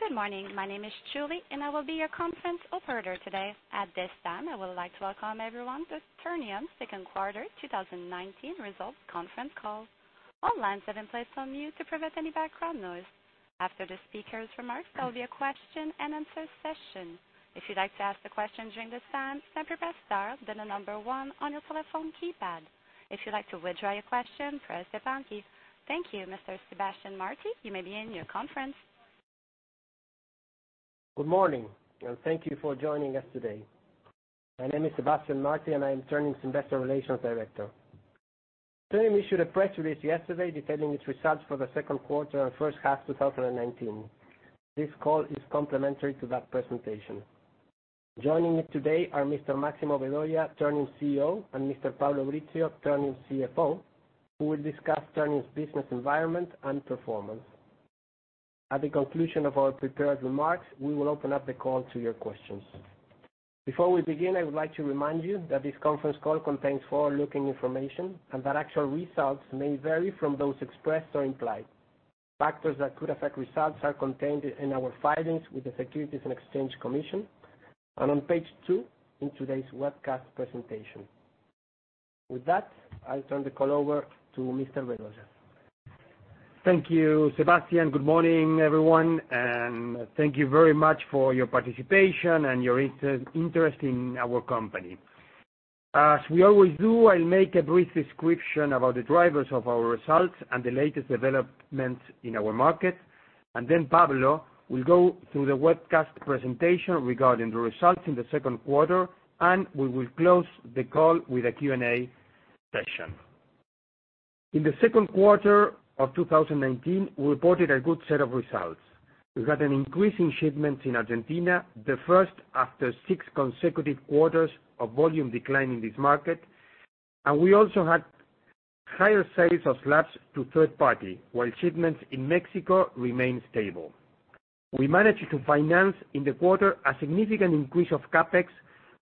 Good morning. My name is Julie, and I will be your conference operator today. At this time, I would like to welcome everyone to Ternium's second quarter 2019 results conference call. All lines have been placed on mute to prevent any background noise. After the speakers' remarks, there'll be a question and answer session. If you'd like to ask a question during this time, press star then the number one on your telephone keypad. If you'd like to withdraw your question, press the pound key. Thank you, Mr. Sebastián Martí. You may begin your conference. Good morning, and thank you for joining us today. My name is Sebastián Martí, and I am Ternium's Investor Relations Director. Ternium issued a press release yesterday detailing its results for the second quarter and first half 2019. This call is complementary to that presentation. Joining me today are Mr. Máximo Vedoya, Ternium's CEO, and Mr. Pablo Brizzio, Ternium's CFO, who will discuss Ternium's business environment and performance. At the conclusion of our prepared remarks, we will open up the call to your questions. Before we begin, I would like to remind you that this conference call contains forward-looking information, and that actual results may vary from those expressed or implied. Factors that could affect results are contained in our filings with the Securities and Exchange Commission and on page two in today's webcast presentation. With that, I'll turn the call over to Mr. Vedoya. Thank you, Sebastián. Good morning, everyone, and thank you very much for your participation and your interest in our company. As we always do, I'll make a brief description about the drivers of our results and the latest developments in our market. Pablo will go through the webcast presentation regarding the results in the second quarter, and we will close the call with a Q&A session. In the second quarter of 2019, we reported a good set of results. We got an increase in shipments in Argentina, the first after six consecutive quarters of volume decline in this market, and we also had higher sales of slabs to third party, while shipments in Mexico remain stable. We managed to finance, in the quarter, a significant increase of CapEx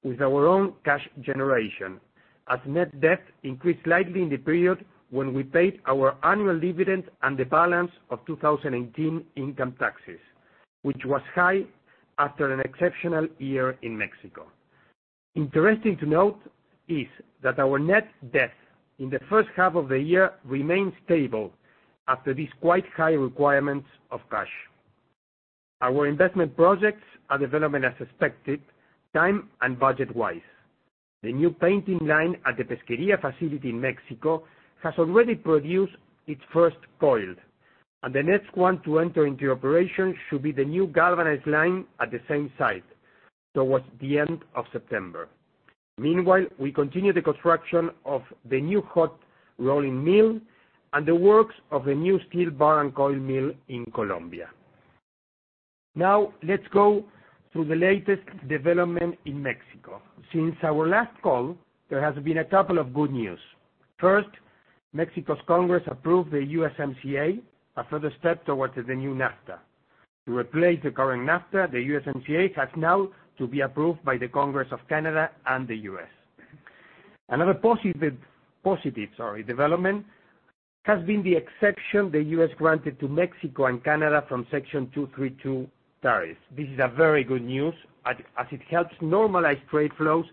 with our own cash generation, as net debt increased slightly in the period when we paid our annual dividend and the balance of 2018 income taxes, which was high after an exceptional year in Mexico. Interesting to note is that our net debt in the first half of the year remained stable after these quite high requirements of cash. Our investment projects are developing as expected, time and budget-wise. The new painting line at the Pesquería facility in Mexico has already produced its first coil, and the next one to enter into operation should be the new galvanized line at the same site towards the end of September. Meanwhile, we continue the construction of the new hot rolling mill and the works of the new steel bar and coil mill in Colombia. Now, let's go through the latest development in Mexico. Since our last call, there has been a couple of good news. First, Mexico's Congress approved the USMCA, a further step towards the new NAFTA. To replace the current NAFTA, the USMCA has now to be approved by the Congress of Canada and the U.S. Another positive development has been the exception the U.S. granted to Mexico and Canada from Section 232 tariffs. This is a very good news, as it helps normalize trade flows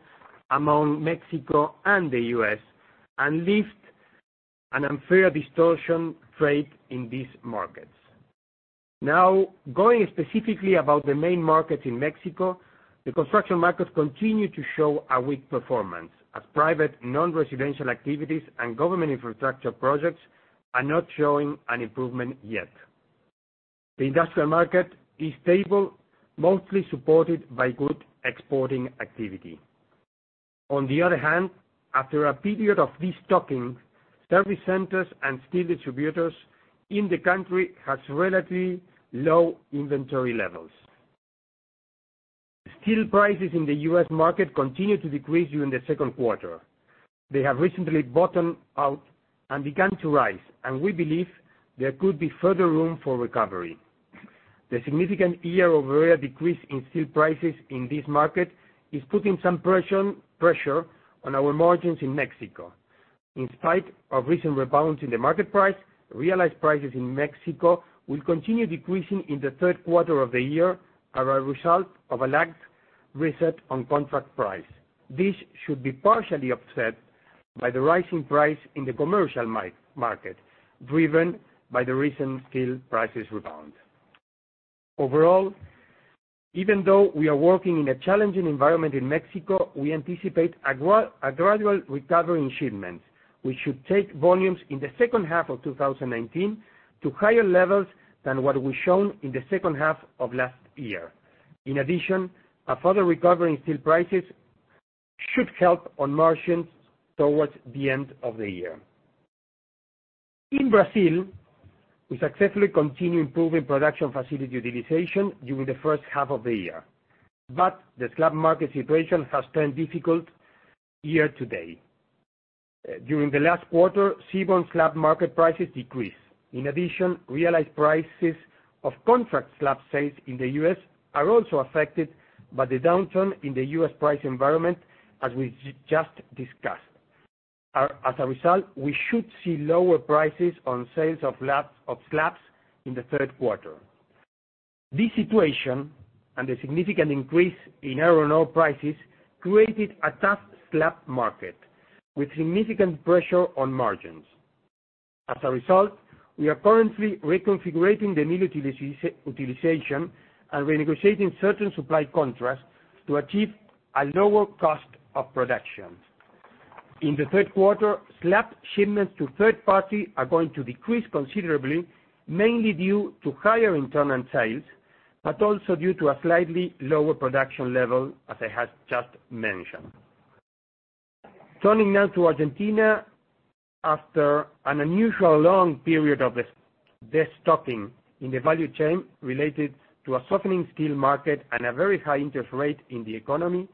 among Mexico and the U.S. and lifts an unfair distortion trade in these markets. Now, going specifically about the main markets in Mexico, the construction markets continue to show a weak performance as private non-residential activities and government infrastructure projects are not showing an improvement yet. The industrial market is stable, mostly supported by good exporting activity. On the other hand, after a period of destocking, service centers and steel distributors in the country has relatively low inventory levels. Steel prices in the U.S. market continued to decrease during the second quarter. They have recently bottomed out and begun to rise, and we believe there could be further room for recovery. The significant year-over-year decrease in steel prices in this market is putting some pressure on our margins in Mexico. In spite of recent rebounds in the market price, realized prices in Mexico will continue decreasing in the third quarter of the year as a result of a lagged reset on contract price. This should be partially offset by the rising price in the commercial market, driven by the recent steel prices rebound. Overall, even though we are working in a challenging environment in Mexico, we anticipate a gradual recovery in shipments, which should take volumes in the second half of 2019 to higher levels than what we've shown in the second half of last year. In addition, a further recovery in steel prices should help on margins towards the end of the year. In Brazil, we successfully continued improving production facility utilization during the first half of the year. The slab market situation has turned difficult year to date. During the last quarter, seaborne slab market prices decreased. In addition, realized prices of contract slab sales in the U.S. are also affected by the downturn in the U.S. price environment, as we just discussed. As a result, we should see lower prices on sales of slabs in the third quarter. This situation and the significant increase in iron ore prices created a tough slab market with significant pressure on margins. As a result, we are currently reconfiguring the mill utilization and renegotiating certain supply contracts to achieve a lower cost of production. In the third quarter, slab shipments to third parties are going to decrease considerably, mainly due to higher internal sales, but also due to a slightly lower production level, as I have just mentioned. Turning now to Argentina, after an unusually long period of destocking in the value chain related to a softening steel market and a very high interest rate in the economy,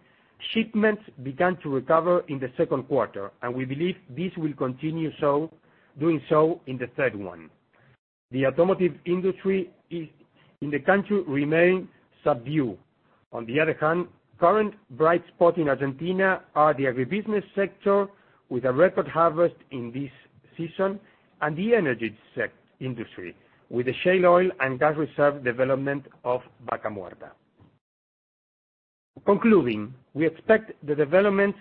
shipments began to recover in the second quarter, and we believe this will continue doing so in the third one. The automotive industry in the country remains subdued. On the other hand, current bright spots in Argentina are the agribusiness sector, with a record harvest in this season, and the energy industry, with the shale oil and gas reserve development of Vaca Muerta. Concluding, we expect the developments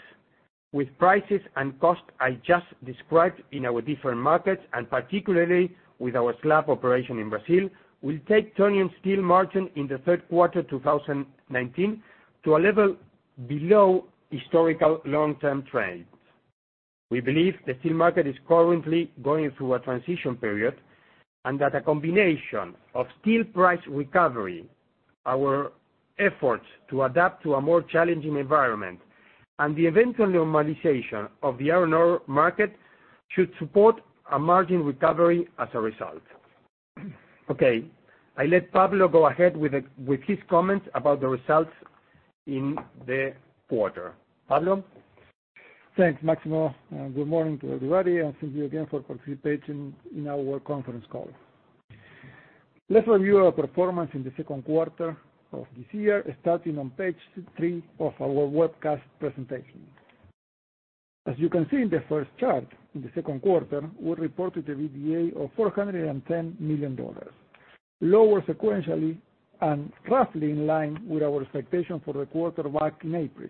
with prices and costs I just described in our different markets, and particularly with our slab operation in Brazil, will take Ternium's steel margin in the third quarter 2019 to a level below historical long-term trends. We believe the steel market is currently going through a transition period, and that a combination of steel price recovery, our efforts to adapt to a more challenging environment, and the eventual normalization of the iron ore market should support a margin recovery as a result. Okay, I let Pablo go ahead with his comments about the results in the quarter. Pablo? Thanks, Máximo. Good morning to everybody, and thank you again for participating in our conference call. Let's review our performance in the second quarter of this year, starting on page three of our webcast presentation. As you can see in the first chart, in the second quarter, we reported EBITDA of $410 million, lower sequentially and roughly in line with our expectation for the quarter back in April,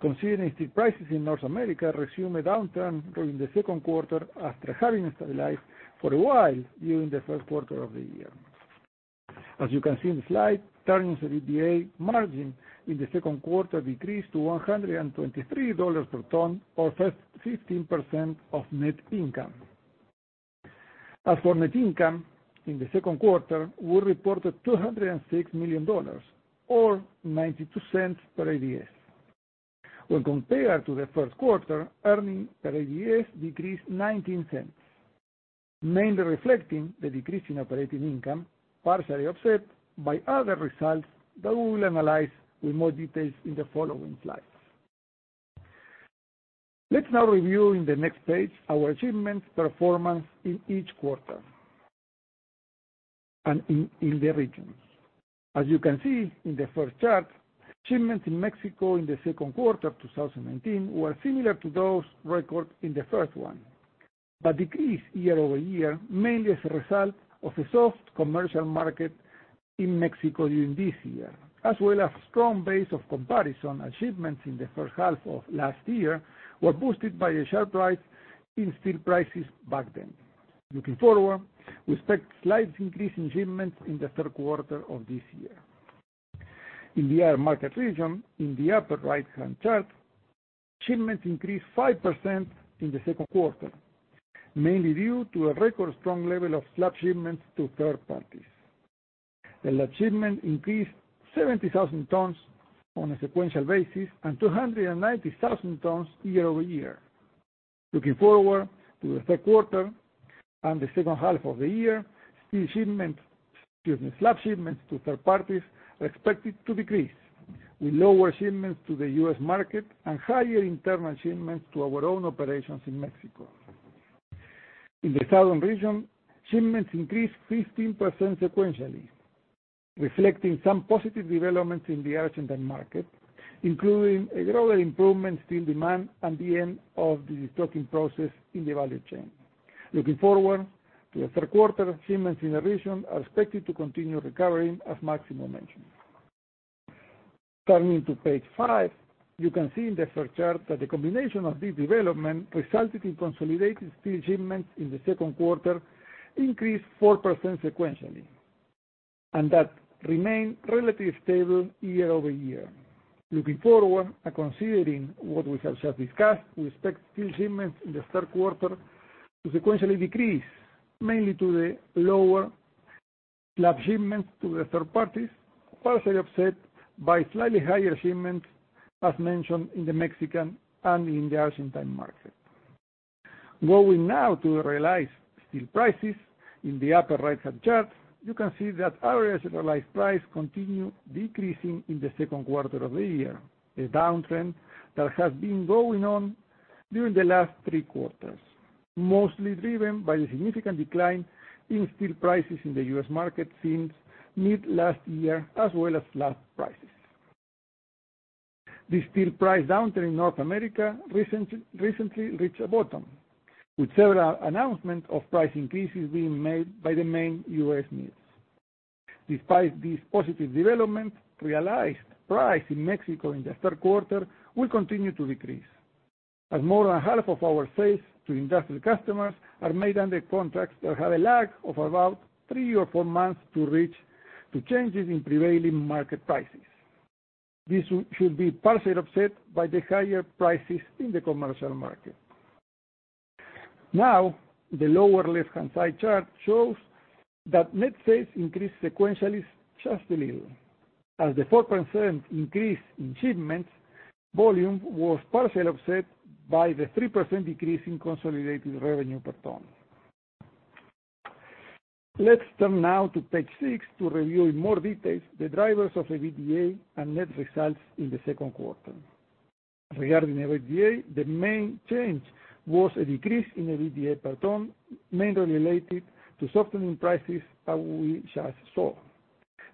considering steel prices in North America resumed a downturn during the second quarter after having stabilized for a while during the first quarter of the year. As you can see in the slide, Ternium's EBITDA margin in the second quarter decreased to $123 per ton, or 15% of net income. As for net income, in the second quarter, we reported $206 million, or $0.92 per ADS. When compared to the first quarter, earnings per ADS decreased $0.19, mainly reflecting the decrease in operating income, partially offset by other results that we will analyze with more details in the following slides. Let's now review in the next page our shipments performance in each quarter, and in the regions. As you can see in the first chart, shipments in Mexico in the second quarter of 2019 were similar to those recorded in the first one, but decreased year-over-year, mainly as a result of a soft commercial market in Mexico during this year, as well as strong base of comparison as shipments in the first half of last year were boosted by a sharp rise in steel prices back then. Looking forward, we expect slight increase in shipments in the third quarter of this year. In the other market region, in the upper right-hand chart, shipments increased 5% in the second quarter, mainly due to a record strong level of slab shipments to third parties. The slab shipment increased 70,000 tons on a sequential basis and 290,000 tons year-over-year. Looking forward to the third quarter and the second half of the year, steel shipments, excuse me, slab shipments to third parties are expected to decrease with lower shipments to the U.S. market and higher internal shipments to our own operations in Mexico. In the southern region, shipments increased 15% sequentially, reflecting some positive developments in the Argentine market, including a broader improvement steel demand at the end of the destocking process in the value chain. Looking forward to the third quarter, shipments in the region are expected to continue recovering, as Máximo mentioned. Turning to page five, you can see in the first chart that the combination of this development resulted in consolidated steel shipments in the second quarter increased 4% sequentially, and that remained relatively stable year-over-year. Looking forward and considering what we have just discussed, we expect steel shipments in the third quarter to sequentially decrease, mainly to the lower slab shipments to the third parties, partially offset by slightly higher shipments, as mentioned, in the Mexican and in the Argentine market. Going now to the realized steel prices in the upper right-hand chart, you can see that our realized price continued decreasing in the second quarter of the year, a downtrend that has been going on during the last three quarters, mostly driven by the significant decline in steel prices in the U.S. market since mid-last year, as well as slab prices. The steel price downturn in North America recently reached a bottom, with several announcements of price increases being made by the main U.S. mills. Despite this positive development, realized price in Mexico in the third quarter will continue to decrease. As more than half of our sales to industrial customers are made under contracts that have a lag of about three or four months to changes in prevailing market prices. This should be partially offset by the higher prices in the commercial market. The lower left-hand side chart shows that net sales increased sequentially just a little, as the 4% increase in shipments volume was partially offset by the 3% decrease in consolidated revenue per ton. Let's turn now to page six to review in more details the drivers of the EBITDA and net results in the second quarter. Regarding EBITDA, the main change was a decrease in the EBITDA per ton, mainly related to softening prices, as we just saw.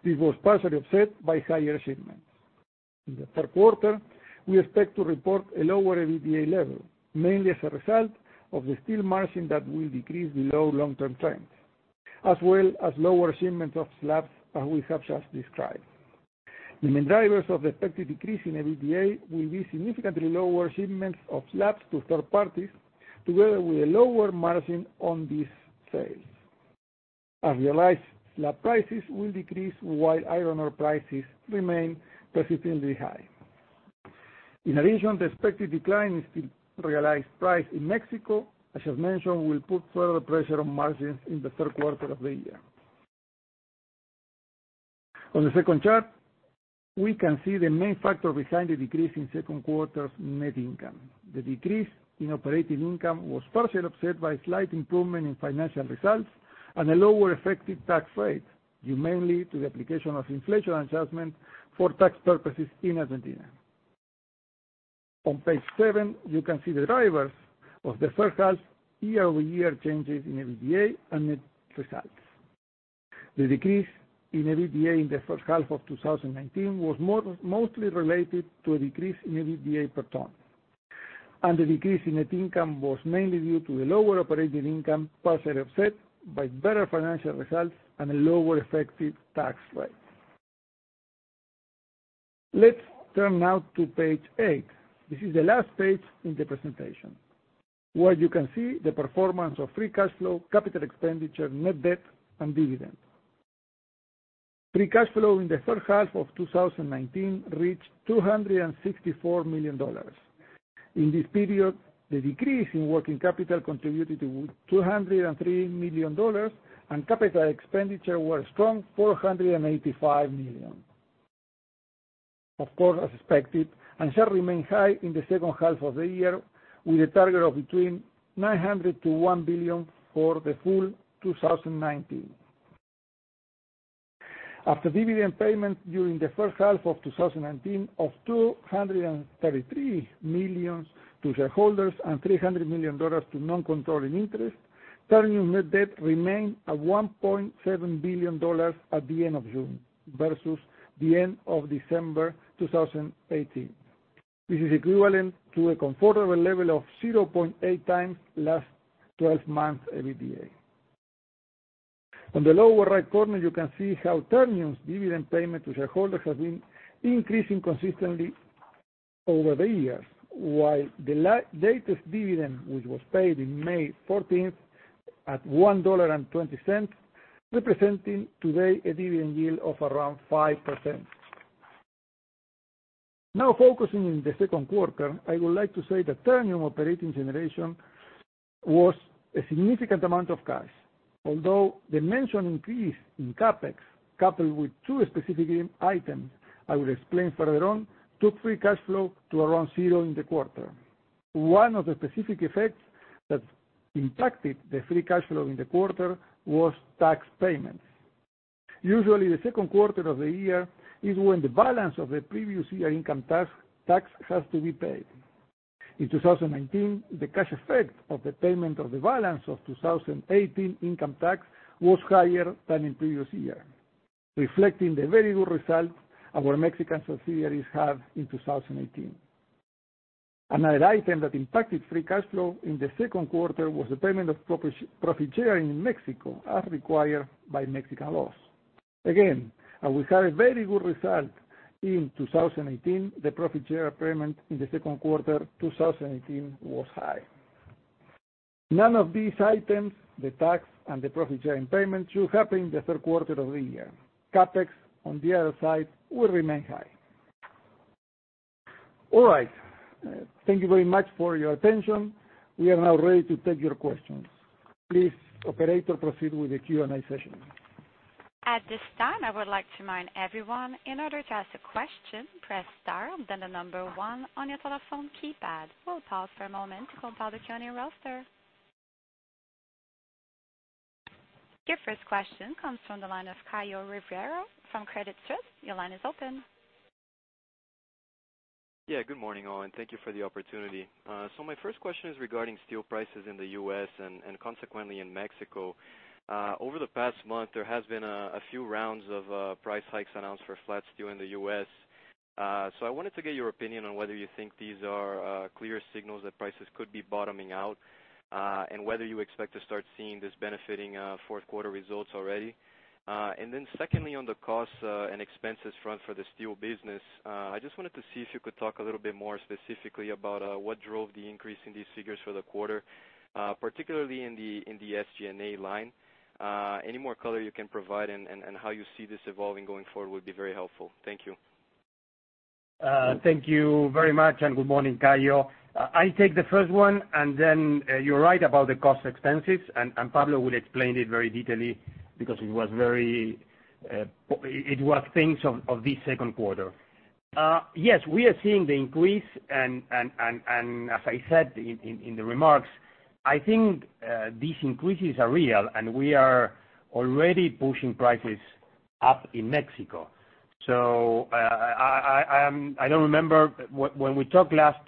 This was partially offset by higher shipments. In the third quarter, we expect to report a lower EBITDA level, mainly as a result of the steel margin that will decrease below long-term trends, as well as lower shipments of slabs, as we have just described. The main drivers of the expected decrease in EBITDA will be significantly lower shipments of slabs to third parties, together with a lower margin on these sales, as realized slab prices will decrease while iron ore prices remain persistently high. In addition, the expected decline in steel realized price in Mexico, as I've mentioned, will put further pressure on margins in the third quarter of the year. On the second chart, we can see the main factor behind the decrease in second quarter's net income. The decrease in operating income was partially offset by a slight improvement in financial results and a lower effective tax rate, due mainly to the application of inflation adjustment for tax purposes in Argentina. On page seven, you can see the drivers of the first half year-over-year changes in EBITDA and net results. The decrease in EBITDA in the first half of 2019 was mostly related to a decrease in EBITDA per ton, and the decrease in net income was mainly due to the lower operating income partially offset by better financial results and a lower effective tax rate. Let's turn now to page eight. This is the last page in the presentation, where you can see the performance of free cash flow, capital expenditure, net debt, and dividend. Free cash flow in the first half of 2019 reached $264 million. In this period, the decrease in working capital contributed to $203 million, and capital expenditure was strong, $485 million. Of course, as expected, and shall remain high in the second half of the year with a target of between $900 million-$1 billion for the full 2019. After dividend payment during the first half of 2019 of $233 million to shareholders and $300 million to non-controlling interest, Ternium net debt remained at $1.7 billion at the end of June versus the end of December 2018. This is equivalent to a comfortable level of 0.8 times last 12 months EBITDA. On the lower right corner, you can see how Ternium's dividend payment to shareholders has been increasing consistently over the years, while the latest dividend, which was paid in May 14th at $1.20, representing today a dividend yield of around 5%. Now focusing on the second quarter, I would like to say that Ternium operating generation was a significant amount of cash, although the mentioned increase in CapEx, coupled with two specific items I will explain further on, took free cash flow to around zero in the quarter. One of the specific effects that impacted the free cash flow in the quarter was tax payments. Usually, the second quarter of the year is when the balance of the previous year income tax has to be paid. In 2019, the cash effect of the payment of the balance of 2018 income tax was higher than in previous years, reflecting the very good results our Mexican subsidiaries had in 2018. Another item that impacted free cash flow in the second quarter was the payment of profit sharing in Mexico, as required by Mexican laws. Again, as we had a very good result in 2018, the profit share payment in the second quarter 2018 was high. None of these items, the tax and the profit sharing payments, should happen in the third quarter of the year. CapEx, on the other side, will remain high. All right. Thank you very much for your attention. We are now ready to take your questions. Please, operator, proceed with the Q&A session. At this time, I would like to remind everyone, in order to ask a question, press star, then the number one on your telephone keypad. We'll pause for a moment to compile the queue and roster. Your first question comes from the line of Caio Ribeiro from Credit Suisse. Your line is open. Good morning, all, and thank you for the opportunity. My first question is regarding steel prices in the U.S. and consequently in Mexico. Over the past month, there has been a few rounds of price hikes announced for flat steel in the U.S. I wanted to get your opinion on whether you think these are clear signals that prices could be bottoming out, and whether you expect to start seeing this benefiting fourth quarter results already. Secondly, on the costs and expenses front for the steel business, I just wanted to see if you could talk a little bit more specifically about what drove the increase in these figures for the quarter, particularly in the SG&A line. Any more color you can provide and how you see this evolving going forward would be very helpful. Thank you. Thank you very much. Good morning, Caio. I'll take the first one. Then you're right about the cost expenses, Pablo will explain it very detailedly because it was things of this second quarter. Yes. We are seeing the increase. As I said in the remarks, I think these increases are real, we are already pushing prices up in Mexico. I don't remember, when we talked last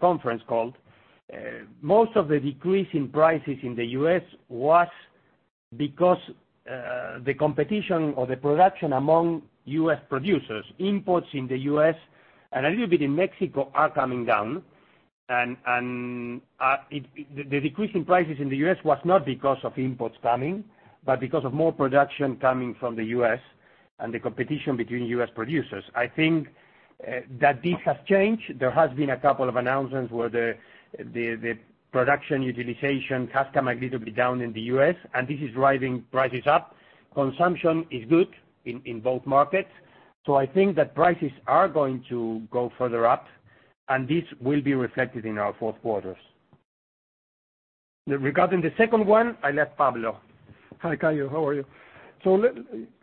conference call, most of the decrease in prices in the U.S. was because the competition or the production among U.S. producers, imports in the U.S. and a little bit in Mexico are coming down. The decrease in prices in the U.S. was not because of imports coming, because of more production coming from the U.S. the competition between U.S. producers. I think that this has changed. There has been a couple of announcements where the production utilization has come a little bit down in the U.S., and this is driving prices up. Consumption is good in both markets. I think that prices are going to go further up, and this will be reflected in our fourth quarters. Regarding the second one, I leave Pablo. Hi, Caio. How are you?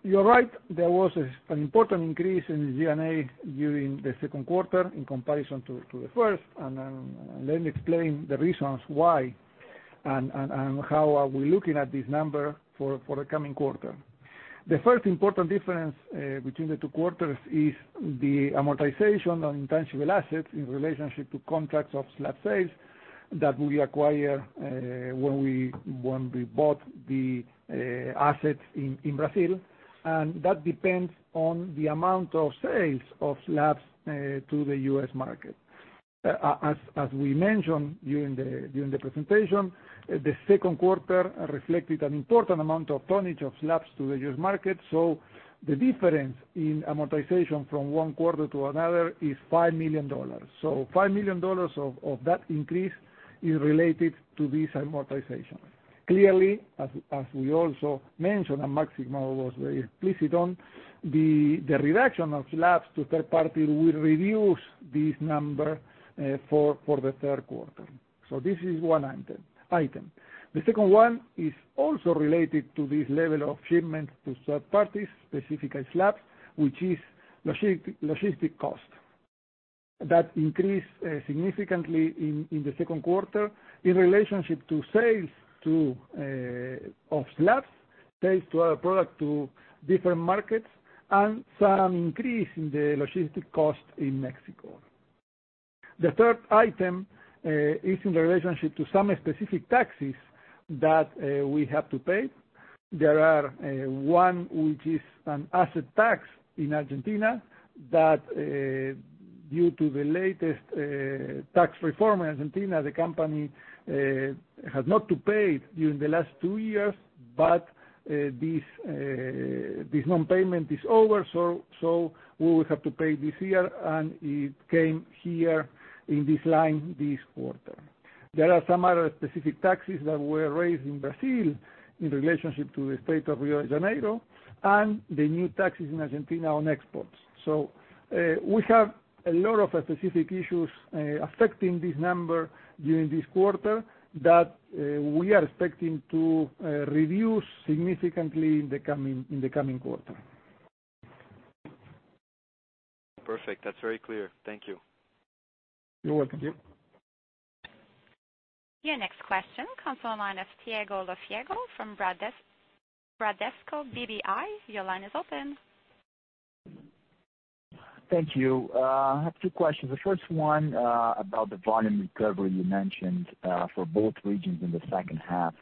You're right, there was an important increase in G&A during the second quarter in comparison to the first. I'll explain the reasons why and how are we looking at this number for the coming quarter. The first important difference between the two quarters is the amortization on intangible assets in relationship to contracts of slab sales that we acquired when we bought the assets in Brazil. That depends on the amount of sales of slabs to the U.S. market. As we mentioned during the presentation, the second quarter reflected an important amount of tonnage of slabs to the U.S. market. The difference in amortization from one quarter to another is $5 million. $5 million of that increase is related to this amortization. Clearly, as we also mentioned, and Máximo was very explicit on, the reduction of slabs to third party will reduce this number for the third quarter. This is one item. The second one is also related to this level of shipment to third parties, specifically slabs, which is logistic cost. That increased significantly in the second quarter in relationship to sales of slabs, sales to our product to different markets, and some increase in the logistic cost in Mexico. The third item is in relationship to some specific taxes that we have to pay. There is one, which is an asset tax in Argentina that due to the latest tax reform in Argentina, the company had not paid during the last two years, but this non-payment is over, so we will have to pay this year, and it came here in this line, this quarter. There are some other specific taxes that were raised in Brazil in relationship to the state of Rio de Janeiro and the new taxes in Argentina on exports. We have a lot of specific issues affecting this number during this quarter that we are expecting to reduce significantly in the coming quarter. Perfect. That's very clear. Thank you. You're welcome. Thank you. Your next question comes on the line of Thiago Lofiego from Bradesco BBI. Your line is open. Thank you. I have two questions. The first one about the volume recovery you mentioned for both regions in the second half.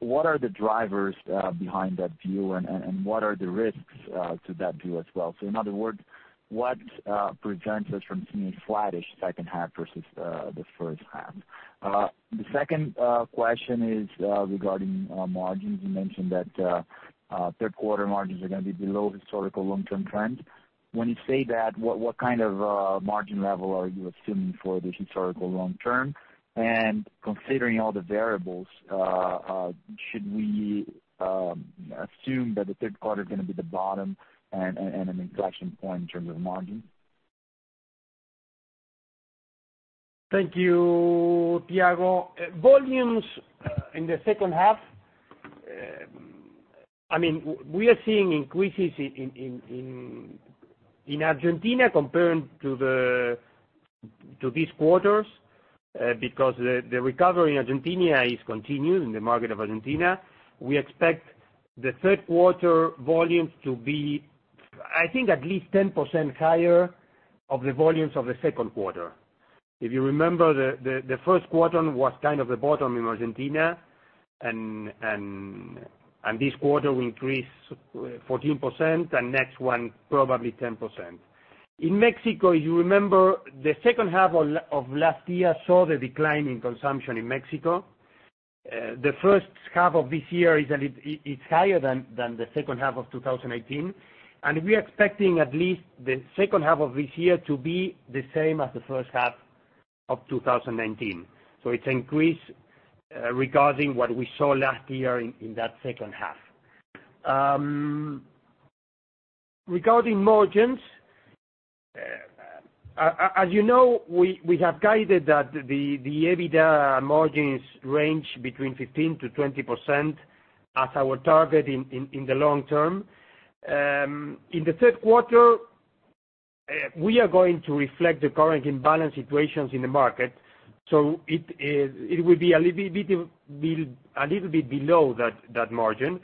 What are the drivers behind that view, and what are the risks to that view as well? In other words, what prevents us from seeing a flattish second half versus the first half? The second question is regarding margins. You mentioned that third quarter margins are going to be below historical long-term trends. When you say that, what kind of margin level are you assuming for the historical long term? Considering all the variables, should we assume that the third quarter is going to be the bottom and an inflection point in terms of margin? Thank you, Thiago. Volumes in the second half, we are seeing increases in Argentina compared to these quarters. The recovery in Argentina is continuing in the market of Argentina. We expect the third quarter volumes to be, I think, at least 10% higher of the volumes of the second quarter. If you remember, the first quarter was kind of the bottom in Argentina, and this quarter will increase 14%, and next one probably 10%. In Mexico, you remember the second half of last year saw the decline in consumption in Mexico. The first half of this year is higher than the second half of 2018, and we are expecting at least the second half of this year to be the same as the first half of 2019. It's increase regarding what we saw last year in that second half. Regarding margins, as you know, we have guided that the EBITDA margins range between 15%-20% as our target in the long term. In the third quarter, we are going to reflect the current imbalance situations in the market. It will be a little bit below that margin.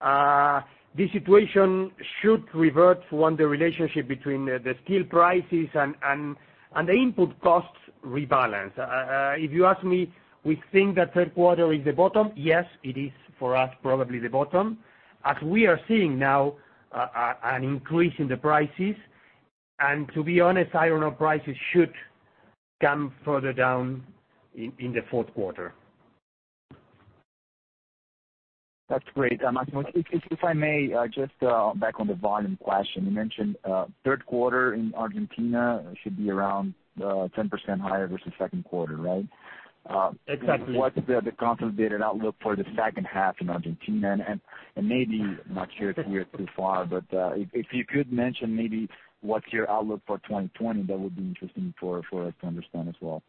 The situation should revert when the relationship between the steel prices and the input costs rebalance. If you ask me, we think that third quarter is the bottom, yes, it is, for us, probably the bottom, as we are seeing now an increase in the prices. To be honest, iron ore prices should come further down in the fourth quarter. That's great. Máximo, if I may, just back on the volume question. You mentioned third quarter in Argentina should be around 10% higher versus second quarter, right? Exactly. What's the consolidated outlook for the second half in Argentina? Maybe, I'm not sure if you are too far, but if you could mention maybe what's your outlook for 2020, that would be interesting for us to understand as well.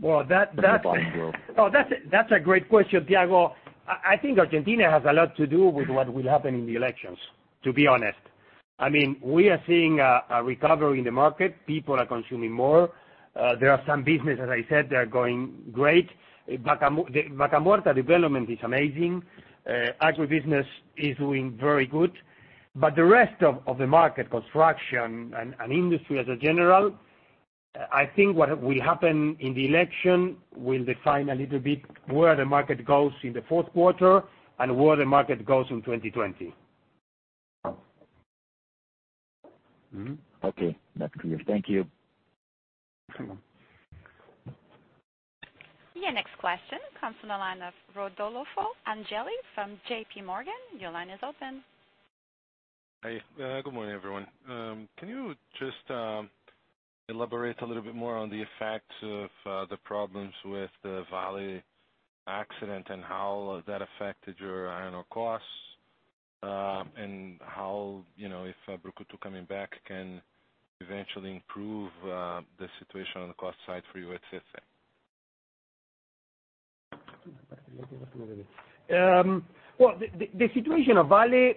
Well. The volume growth. Oh, that's a great question, Thiago. I think Argentina has a lot to do with what will happen in the elections, to be honest. We are seeing a recovery in the market. People are consuming more. There are some businesses, as I said, that are going great. Vaca Muerta development is amazing. Agribusiness is doing very good. The rest of the market, construction and industry as a general, I think what will happen in the election will define a little bit where the market goes in the fourth quarter and where the market goes in 2020. Okay. That's clear. Thank you. No problem. Your next question comes from the line of Rodolfo Angele from J.P. Morgan. Your line is open. Hey, good morning, everyone. Can you just elaborate a little bit more on the effects of the problems with the Vale accident, and how that affected your iron ore costs? How, if Brucutu coming back, can eventually improve the situation on the cost side for you at CSA? Well, the situation of Vale,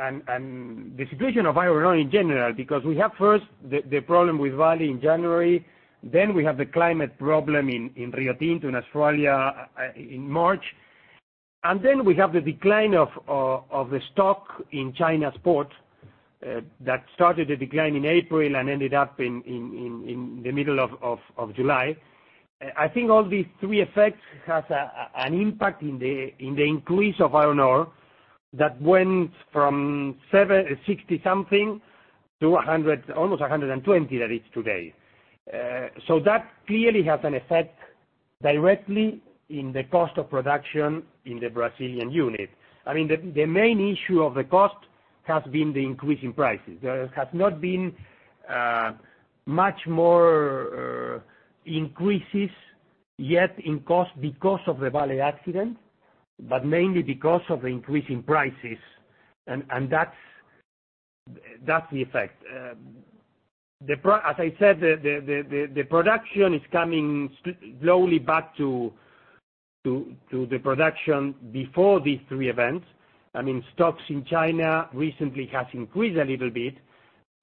and the situation of iron ore in general, because we have first the problem with Vale in January, then we have the climate problem in Rio Tinto in Australia in March. Then we have the decline of the stock in China's port that started the decline in April and ended up in the middle of July. I think all these three effects has an impact in the increase of iron ore that went from $60 something to almost $120 that it's today. That clearly has an effect directly in the cost of production in the Brazilian unit. The main issue of the cost has been the increase in prices. There has not been much more increases yet in cost because of the Vale accident, but mainly because of the increase in prices, and that's the effect. As I said, the production is coming slowly back to the production before these three events. Stocks in China recently has increased a little bit,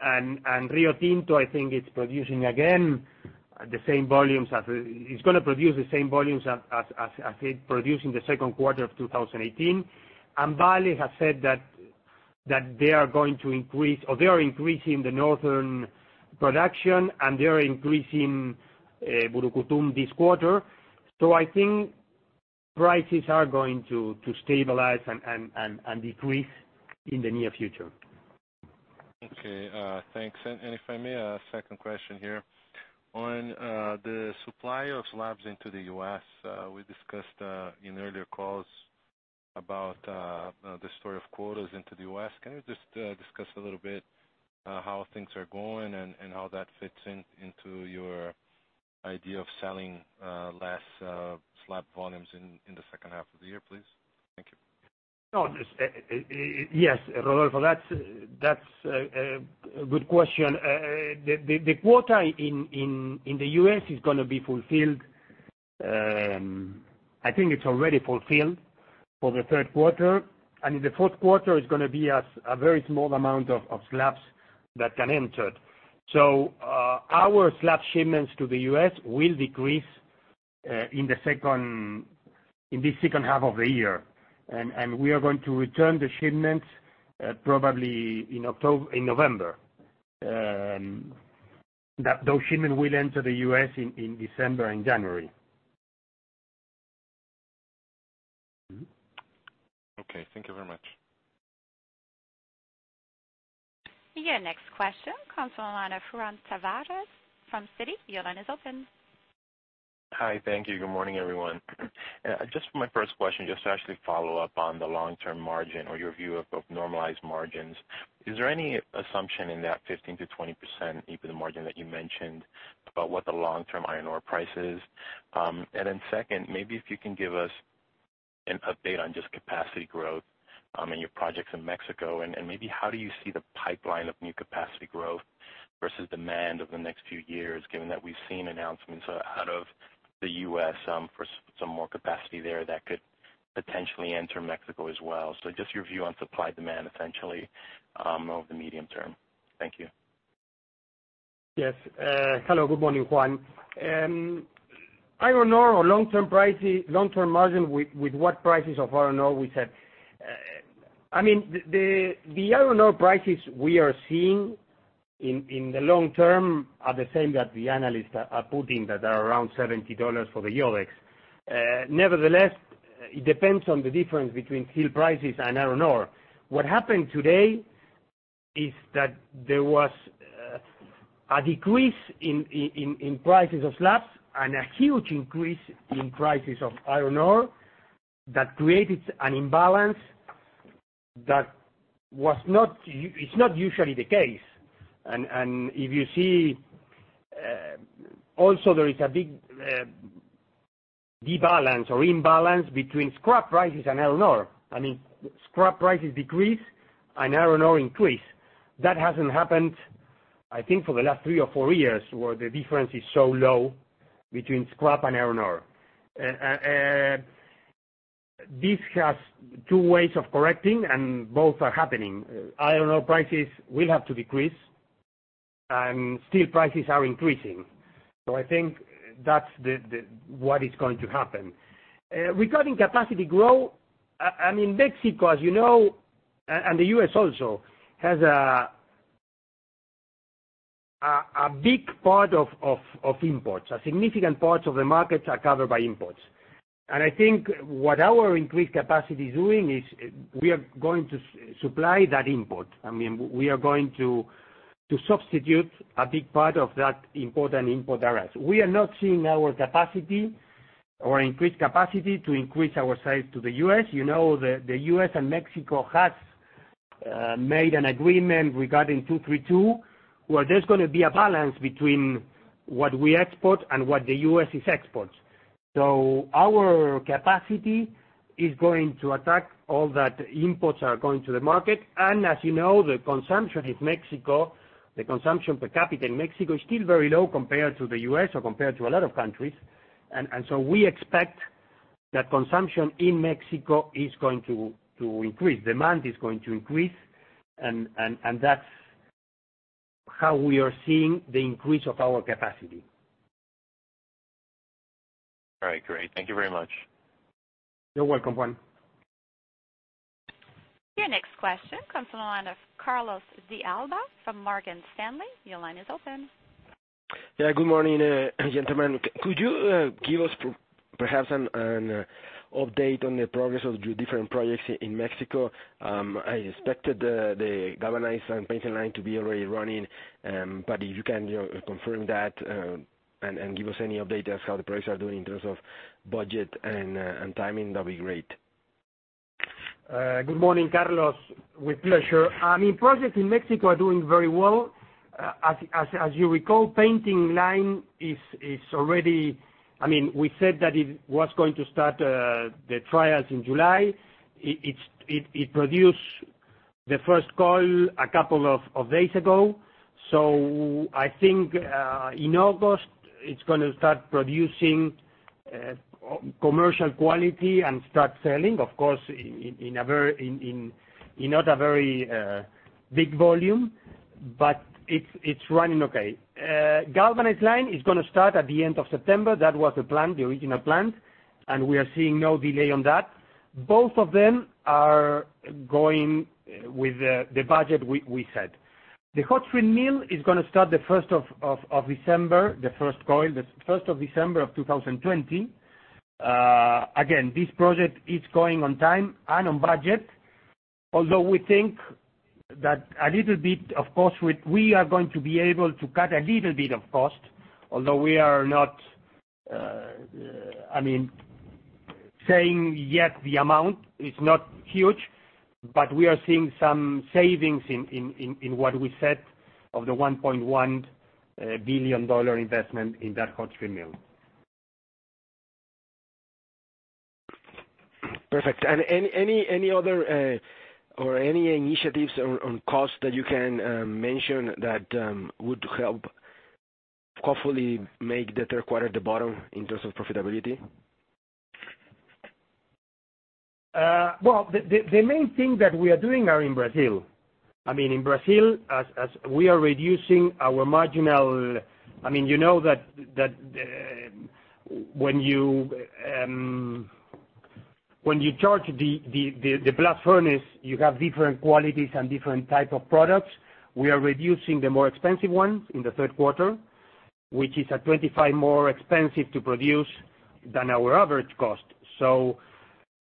and Rio Tinto, I think, is producing again the same volumes as it produced in the second quarter of 2018. Vale has said that they are going to increase, or they are increasing the northern production, and they are increasing Brucutu this quarter. I think prices are going to stabilize and decrease in the near future. Okay, thanks. If I may, a second question here. On the supply of slabs into the U.S., we discussed in earlier calls about the story of quotas into the U.S. Can you just discuss a little bit how things are going and how that fits into your idea of selling less slab volumes in the second half of the year, please? Thank you. Yes, Rodolfo, that's a good question. The quota in the U.S. is going to be fulfilled. I think it's already fulfilled for the third quarter. In the fourth quarter, it's going to be a very small amount of slabs that can enter. Our slab shipments to the U.S. will decrease in the second half of the year. We are going to return the shipments probably in November. Those shipments will enter the U.S. in December and January. Okay. Thank you very much. Your next question comes from the line of Juan Tavarez from Citi. Your line is open. Hi. Thank you. Good morning, everyone. For my first question, to actually follow up on the long-term margin or your view of normalized margins. Is there any assumption in that 15%-20% EBITDA margin that you mentioned about what the long-term iron ore price is? Second, maybe if you can give us an update on just capacity growth and your projects in Mexico and maybe how do you see the pipeline of new capacity growth versus demand over the next few years, given that we've seen announcements out of the U.S. for some more capacity there that could potentially enter Mexico as well. Just your view on supply demand essentially, over the medium term. Thank you. Yes. Hello, good morning, Juan. Iron ore or long-term margin with what prices of iron ore we said. The iron ore prices we are seeing in the long term are the same that the analysts are putting that are around $70 for the IOEX. Nevertheless, it depends on the difference between steel prices and iron ore. What happened today is that there was a decrease in prices of slabs and a huge increase in prices of iron ore that created an imbalance that is not usually the case. If you see, also there is a big debalance or imbalance between scrap prices and iron ore. Scrap prices decrease and iron ore increase. That hasn't happened, I think, for the last three or four years, where the difference is so low between scrap and iron ore. This has two ways of correcting, and both are happening. Iron ore prices will have to decrease, and steel prices are increasing. I think that's what is going to happen. Regarding capacity growth, Mexico, as you know, and the U.S. also, has a big part of imports, a significant part of the markets are covered by imports. I think what our increased capacity is doing is we are going to supply that import. We are going to substitute a big part of that import and imports. We are not seeing our capacity or increased capacity to increase our sales to the U.S. You know the U.S. and Mexico has made an agreement regarding 232, where there's going to be a balance between what we export and what the U.S. exports. Our capacity is going to attack all that imports are going to the market. As you know, the consumption in Mexico, the consumption per capita in Mexico, is still very low compared to the U.S. or compared to a lot of countries. We expect that consumption in Mexico is going to increase, demand is going to increase, and that's how we are seeing the increase of our capacity. All right, great. Thank you very much. You're welcome, Juan. Your next question comes from the line of Carlos de Alba from Morgan Stanley. Your line is open. Good morning, gentlemen. Could you give us perhaps an update on the progress of your different projects in Mexico? I expected the galvanized and painting line to be already running, but if you can confirm that, and give us any updates how the projects are doing in terms of budget and timing, that'd be great. Good morning, Carlos. With pleasure. Projects in Mexico are doing very well. As you recall, painting line. We said that it was going to start the trials in July. It produced the first coil a couple of days ago. I think in August it's going to start producing commercial quality and start selling, of course, in not a very big volume, but it's running okay. galvanized line is going to start at the end of September. That was the plan, the original plan, and we are seeing no delay on that. Both of them are going with the budget we set. The hot strip mill is going to start the first of December, the first coil, the 1st of December of 2020. This project is going on time and on budget, although we think that a little bit, of course, we are going to be able to cut a little bit of cost. We are not saying yet the amount. It's not huge, but we are seeing some savings in what we said of the $1.1 billion investment in that hot strip mill. Perfect. Any other initiatives on costs that you can mention that would help hopefully make the third quarter the bottom in terms of profitability? The main thing that we are doing are in Brazil. In Brazil, we are reducing our you know that when you charge the blast furnace, you have different qualities and different type of products. We are reducing the more expensive ones in the third quarter, which is at 25% more expensive to produce than our average cost.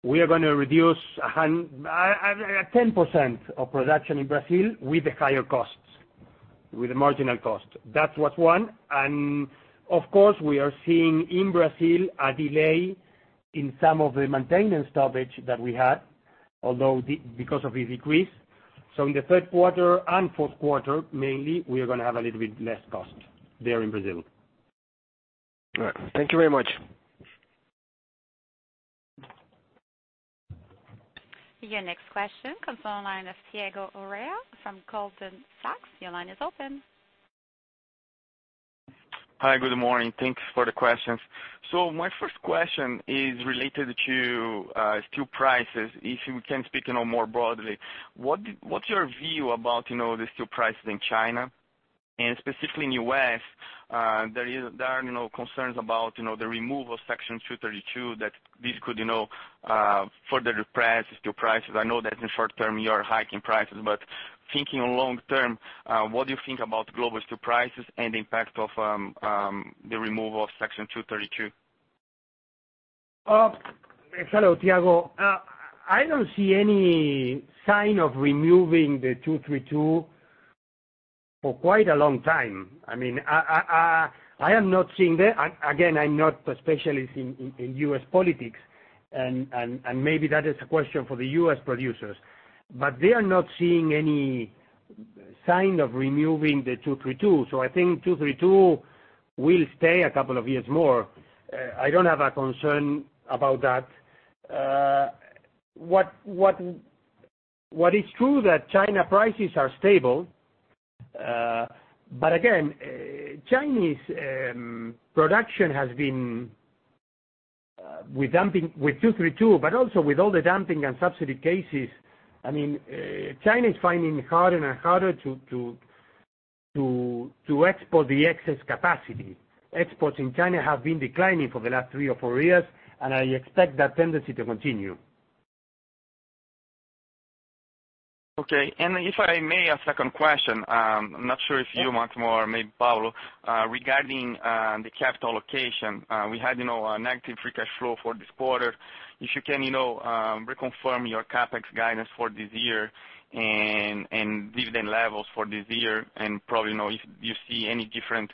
We are going to reduce 10% of production in Brazil with the higher costs, with the marginal cost. That's what's one. Of course, we are seeing in Brazil a delay in some of the maintenance stoppage that we had, although because of the decrease. In the third quarter and fourth quarter, mainly, we are going to have a little bit less cost there in Brazil. All right. Thank you very much. Your next question comes from the line of Thiago Urrea from Goldman Sachs. Your line is open. Hi, good morning. Thanks for the questions. My first question is related to steel prices. If you can speak more broadly, what's your view about the steel prices in China, and specifically in U.S.? There are concerns about the removal of Section 232, that this could further depress steel prices. I know that in short term, you are hiking prices, but thinking long term, what do you think about global steel prices and impact of the removal of Section 232? Hello, Thiago. I don't see any sign of removing the 232 for quite a long time. I am not seeing again, I'm not a specialist in U.S. politics, maybe that is a question for the U.S. producers. They are not seeing any sign of removing the 232. I think 232 will stay a couple of years more. I don't have a concern about that. What is true that China prices are stable. Again, Chinese production has been with 232, also with all the dumping and subsidy cases. China is finding harder and harder to export the excess capacity. Exports in China have been declining for the last three or four years, I expect that tendency to continue. Okay. If I may, a second question. I'm not sure if you, Máximo, or maybe Pablo. Regarding the capital allocation, we had a negative free cash flow for this quarter. If you can reconfirm your CapEx guidance for this year and dividend levels for this year, and probably if you see any difference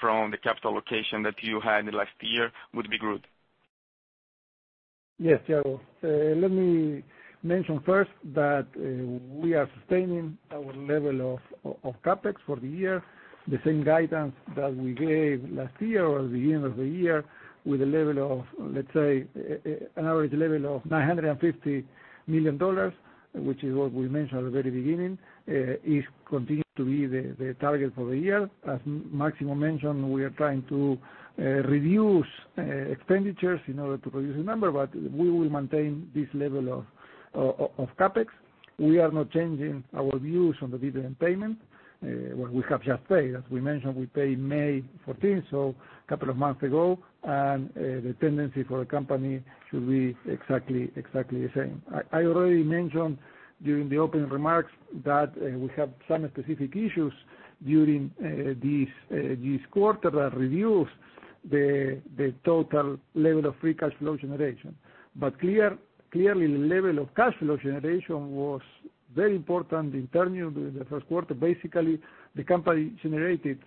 from the capital allocation that you had last year would be good. Yes, Thiago. Let me mention first that we are sustaining our level of CapEx for the year. The same guidance that we gave last year or the end of the year with an average level of $950 million, which is what we mentioned at the very beginning, is continuing to be the target for the year. As Máximo mentioned, we are trying to reduce expenditures in order to produce a number, but we will maintain this level of CapEx. We are not changing our views on the dividend payment. What we have just paid, as we mentioned, we paid May 14th, so couple of months ago, and the tendency for a company should be exactly the same. I already mentioned during the opening remarks that we have some specific issues during this quarter that reduced the total level of free cash flow generation. Clearly, the level of cash flow generation was very important in Ternium during the first quarter. Basically, the company generated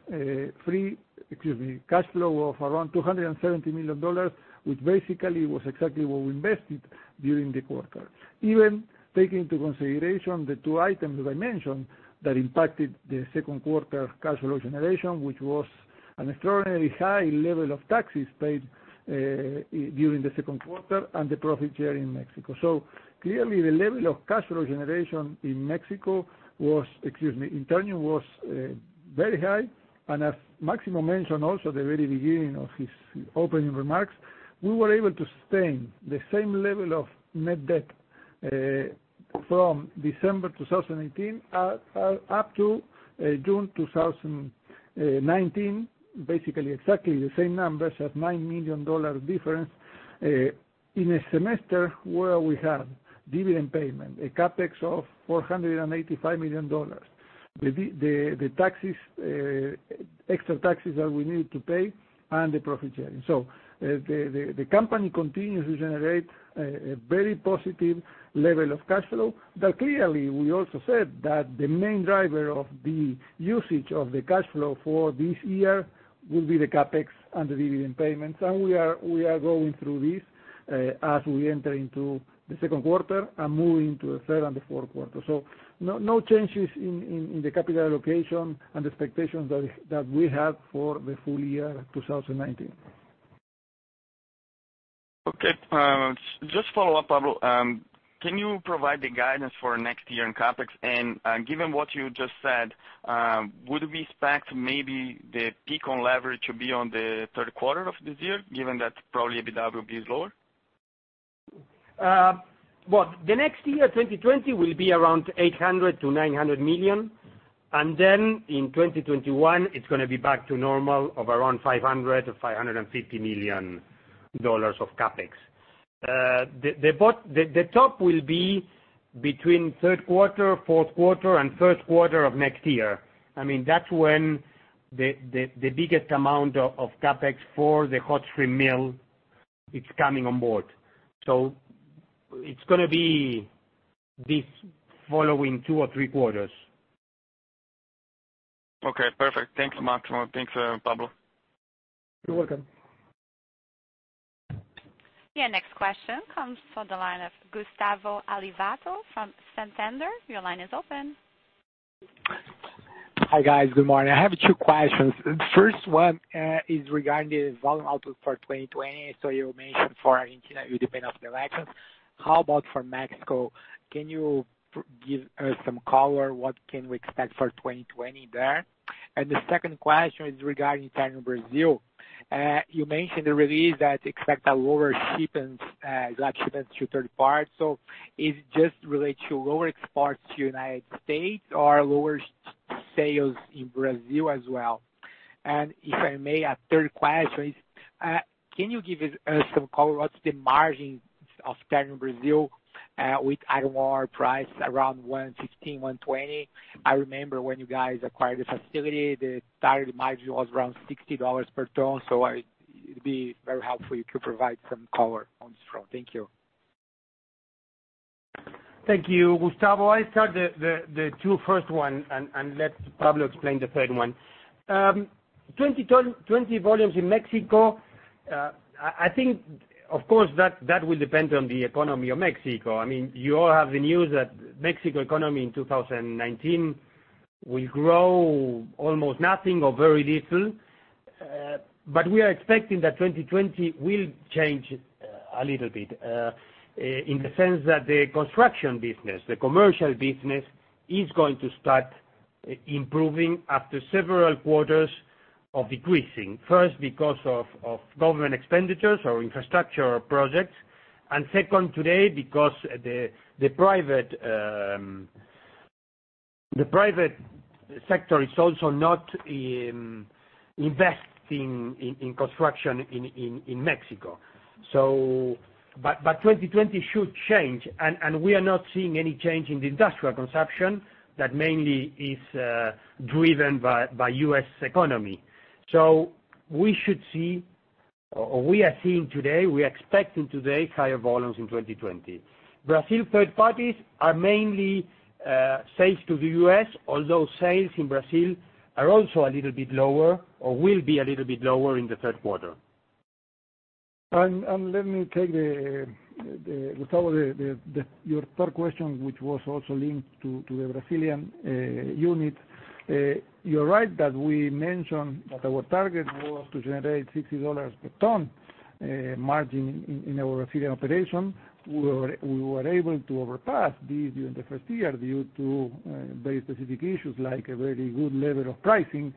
cash flow of around $270 million, which basically was exactly what we invested during the quarter. Even taking into consideration the two items that I mentioned that impacted the second quarter cash flow generation, which was an extraordinarily high level of taxes paid during the second quarter and the profit share in Mexico. Clearly, the level of cash flow generation in Ternium was very high, and as Máximo mentioned also at the very beginning of his opening remarks, we were able to sustain the same level of net debt from December 2018 up to June 2019, basically exactly the same numbers at $9 million difference in a semester where we had dividend payment, a CapEx of $485 million. The extra taxes that we needed to pay and the profit sharing. The company continues to generate a very positive level of cash flow. Clearly, we also said that the main driver of the usage of the cash flow for this year will be the CapEx and the dividend payments. We are going through this as we enter into the second quarter and move into the third and the fourth quarter. No changes in the capital allocation and expectations that we have for the full year 2019. Okay. Just follow up, Pablo. Can you provide the guidance for next year in CapEx? Given what you just said, would we expect maybe the peak on leverage to be on the third quarter of this year, given that probably EBITDA will be lower? Well, the next year, 2020, will be around $800 million-$900 million. In 2021, it's going to be back to normal of around $500 million-$550 million of CapEx. The top will be between third quarter, fourth quarter, and first quarter of next year. That's when the biggest amount of CapEx for the hot strip mill is coming on board. It's going to be these following two or three quarters. Okay, perfect. Thanks much. Thanks, Pablo. You're welcome. Your next question comes from the line of Gustavo Alivato from Santander. Your line is open. Hi, guys. Good morning. I have two questions. The first one is regarding volume outlook for 2020. You mentioned for Argentina, it will depend on the elections. How about for Mexico? Can you give us some color? What can we expect for 2020 there? The second question is regarding Ternium Brasil. You mentioned the release that expect a lower flat shipments to third party. It just relates to lower exports to U.S. or lower sales in Brazil as well? If I may, a third question is, can you give us some color? What's the margin of Ternium Brasil with iron ore price around 116, 120? I remember when you guys acquired the facility, the target margin was around $60 per ton. It'd be very helpful if you could provide some color on this front. Thank you. Thank you, Gustavo. I start the two first one, and let Pablo explain the third one. 2020 volumes in Mexico, I think, of course, that will depend on the economy of Mexico. You all have the news that Mexico economy in 2019 will grow almost nothing or very little. We are expecting that 2020 will change a little bit, in the sense that the construction business, the commercial business, is going to start improving after several quarters of decreasing. First, because of government expenditures or infrastructure projects, and second, today, because the private sector is also not investing in construction in Mexico. 2020 should change, and we are not seeing any change in the industrial consumption that mainly is driven by U.S. economy. We are seeing today, we are expecting today higher volumes in 2020. Brazil third parties are mainly sales to the U.S., although sales in Brazil are also a little bit lower or will be a little bit lower in the third quarter. Let me take, Gustavo, your third question, which was also linked to the Brazilian unit. You're right that we mentioned that our target was to generate $60 per ton margin in our Brazilian operation. We were able to overpass this during the first year due to very specific issues, like a very good level of pricing.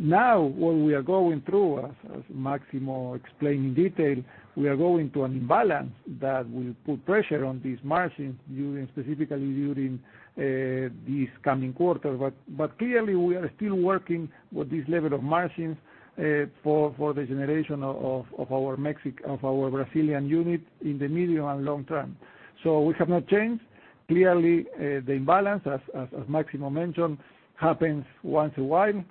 Now, what we are going through, as Máximo explained in detail, we are going to an imbalance that will put pressure on these margins, specifically during this coming quarter. Clearly, we are still working with this level of margins for the generation of our Brazilian unit in the medium and long term. We have not changed. Clearly, the imbalance, as Máximo mentioned, happens once in a while.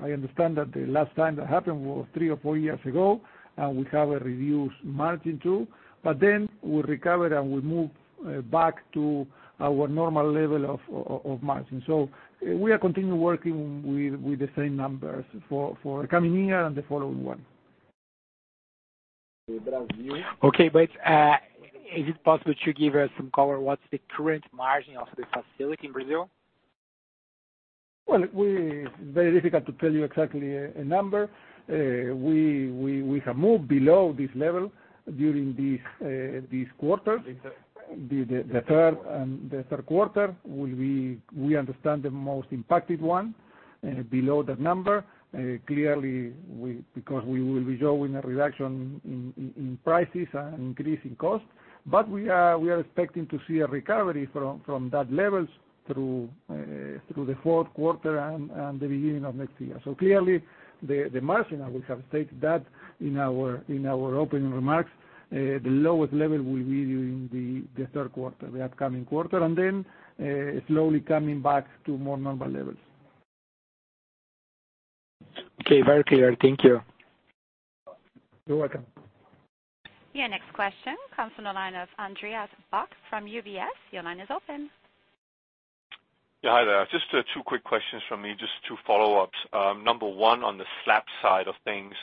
I understand that the last time that happened was three or four years ago, and we have a reduced margin too. We recovered, and we moved back to our normal level of margin. We are continuing working with the same numbers for the coming year and the following one. Okay. Is it possible to give us some color? What's the current margin of the facility in Brazil? Well, it's very difficult to tell you exactly a number. We have moved below this level during these quarters. The third quarter will be, we understand, the most impacted one below that number. Clearly, because we will be showing a reduction in prices and increase in cost. We are expecting to see a recovery from that levels through the fourth quarter and the beginning of next year. Clearly, the margin, I will have stated that in our opening remarks, the lowest level will be during the third quarter, the upcoming quarter, and then slowly coming back to more normal levels. Okay. Very clear. Thank you. You're welcome. Your next question comes from the line of Andreas Bokkenheuser from UBS. Your line is open. Yeah, hi there. Just two quick questions from me, just two follow-ups. Number one, on the slab side of things.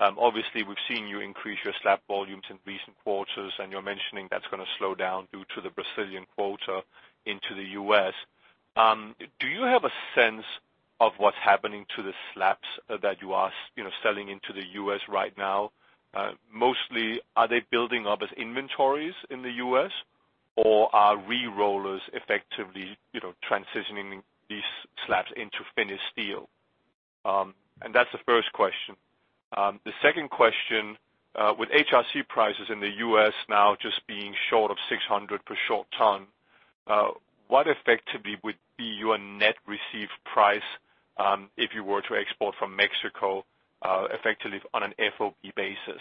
Obviously, we've seen you increase your slab volumes in recent quarters, you're mentioning that's going to slow down due to the Brazilian quota into the U.S. Do you have a sense of what's happening to the slabs that you are selling into the U.S. right now? Mostly, are they building up as inventories in the U.S., or are re-rollers effectively transitioning these slabs into finished steel? That's the first question. The second question, with HRC prices in the U.S. now just being short of $600 per short ton, what effectively would be your net received price if you were to export from Mexico effectively on an FOB basis?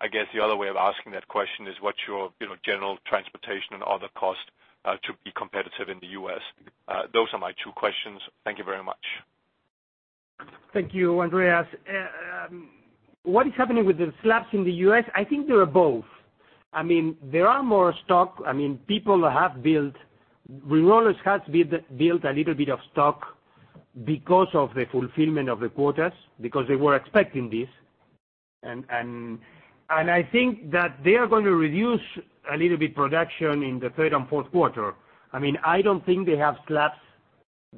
I guess the other way of asking that question is what's your general transportation and other costs to be competitive in the U.S.? Those are my two questions. Thank you very much. Thank you, Andreas. What is happening with the slabs in the U.S.? I think they are both. There is more stock. Re-rollers have built a little bit of stock because of the fulfillment of the quotas, because they were expecting this. I think that they are going to reduce a little bit production in the third and fourth quarter. I don't think they have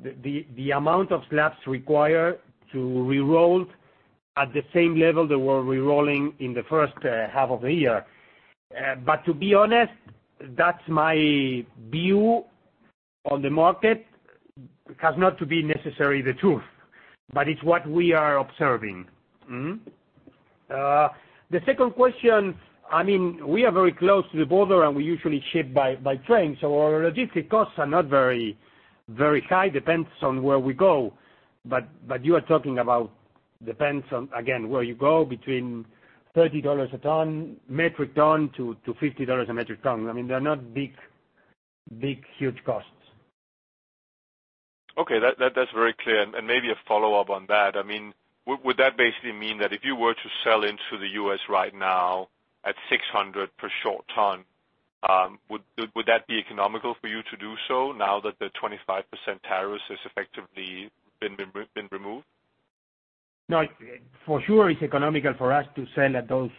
the amount of slabs required to re-roll at the same level they were re-rolling in the first half of the year. To be honest, that's my view on the market. It has not to be necessarily the truth, but it's what we are observing. The second question, we are very close to the border, and we usually ship by train, so our logistic costs are not very high, depends on where we go. You are talking about, depends on, again, where you go between $30 a ton, metric ton, to $50 a metric ton. They're not big, huge costs. Okay, that's very clear. Maybe a follow-up on that. Would that basically mean that if you were to sell into the U.S. right now at $600 per short ton, would that be economical for you to do so now that the 25% tariffs has effectively been removed? No, for sure it's economical for us to sell at those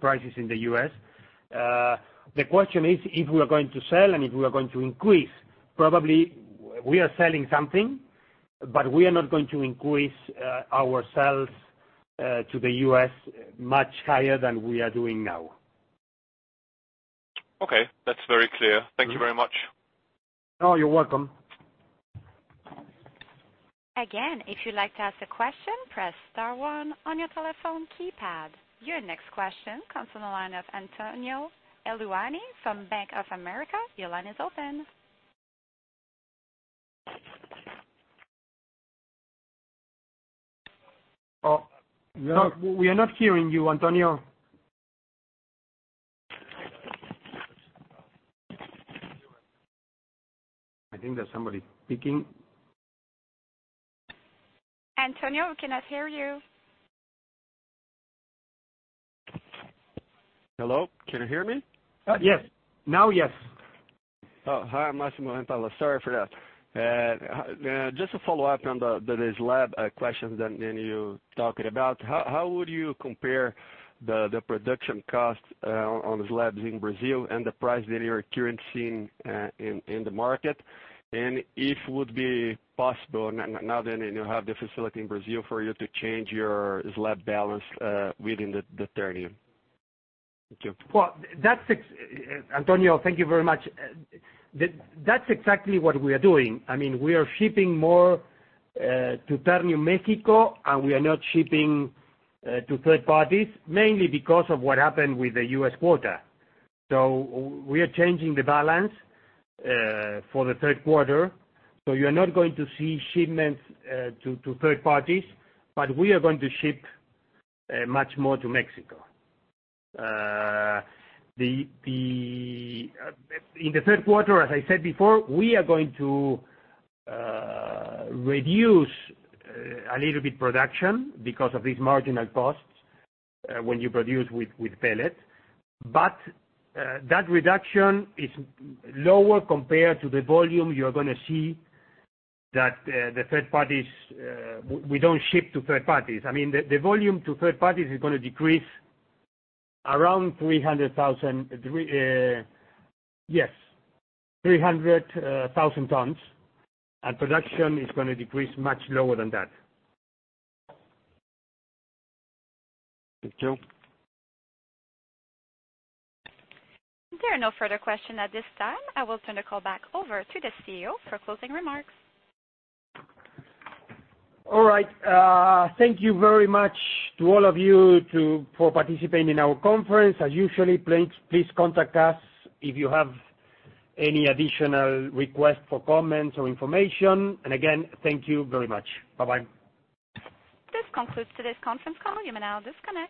prices in the U.S. The question is if we are going to sell and if we are going to increase. Probably we are selling something, but we are not going to increase our sales to the U.S. much higher than we are doing now. Okay, that's very clear. Thank you very much. Oh, you're welcome. If you'd like to ask a question, press star one on your telephone keypad. Your next question comes from the line of Antonio Heluany from Bank of America. Your line is open. Oh, we are not hearing you, Antonio. I think there's somebody speaking. Antonio, we cannot hear you. Hello, can you hear me? Yes. Now, yes. Oh, hi, Massimo Impala. Sorry for that. Just a follow-up on the slab questions that you talked about. How would you compare the production cost on slabs in Brazil and the price that you are currently seeing in the market? If it would be possible now that you have the facility in Brazil for you to change your slab balance within Ternium? Thank you. Well, Antonio, thank you very much. That's exactly what we are doing. We are shipping more to Ternium Mexico, and we are not shipping to third parties, mainly because of what happened with the U.S. quota. We are changing the balance for the third quarter. You're not going to see shipments to third parties, but we are going to ship much more to Mexico. In the third quarter, as I said before, we are going to reduce a little bit production because of these marginal costs when you produce with pellet. That reduction is lower compared to the volume you're going to see that we don't ship to third parties. The volume to third parties is going to decrease around 300,000 tons, and production is going to decrease much lower than that. Thank you. There are no further questions at this time. I will turn the call back over to the CEO for closing remarks. All right. Thank you very much to all of you for participating in our conference. As usual, please contact us if you have any additional requests for comments or information. Again, thank you very much. Bye-bye. This concludes today's conference call. You may now disconnect.